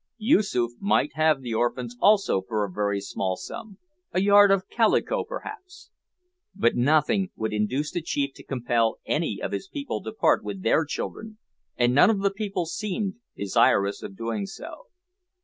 Yoosoof might have the orphans also for a very small sum, a yard of calico perhaps. But nothing would induce the chief to compel any of his people to part with their children, and none of the people seemed desirous of doing so.